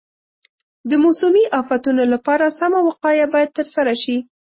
د موسمي افتونو لپاره سمه وقایه باید ترسره شي.